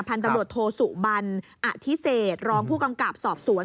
พันธุ์ตำรวจโทสุบันอธิเศษรองผู้กำกับสอบสวน